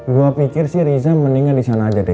gue pikir sih riza meninggal di sana aja deh